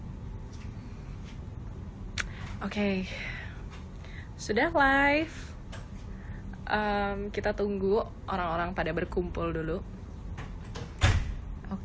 hai oke sudah live kita tunggu orang orang pada berkumpul dulu oke